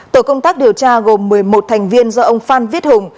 tổ công tác điều tra gồm một mươi một thành viên do ông phan viết hùng